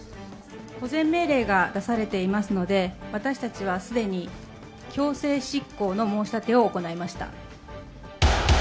保全命令が出されていますので、私たちはすでに強制執行の申し立てを行いました。